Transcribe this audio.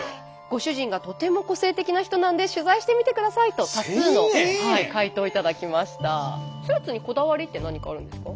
ご主人がとても個性的な人なんで取材してみてくださいと多数の回答を頂きました。